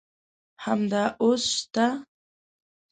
همدا اوس شته.